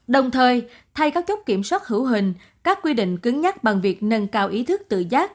đồng thời thay các chốt kiểm soát hữu hình các quy định cứng nhắc bằng việc nâng cao ý thức tự giác